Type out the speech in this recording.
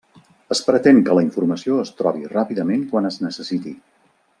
Es pretén que la informació es trobi ràpidament quan es necessiti.